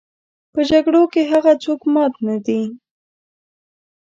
په جګړو کې هغه څوک مات نه دي.